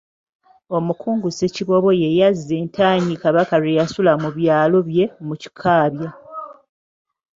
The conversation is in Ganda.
Omukungu Ssekiboobo ye yazza entanyi Kabaka lwe yasula mu byalo bye mu Kikaabya.